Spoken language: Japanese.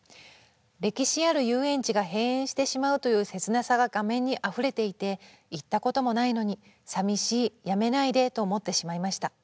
「歴史ある遊園地が閉園してしまうという切なさが画面にあふれていて行ったこともないのに『さみしい』『やめないで』と思ってしまいました。